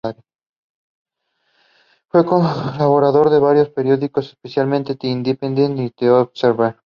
Fue colaborador de varios periódicos, especialmente The independent y The Observer.